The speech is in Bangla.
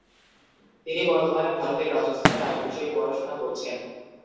তিনি বর্তমানে ভারতের রাজস্থানে আইন বিষয়ে পড়াশোনা করছেন।